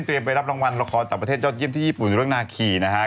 ไปรับรางวัลละครต่างประเทศยอดเยี่ยมที่ญี่ปุ่นเรื่องนาคีนะฮะ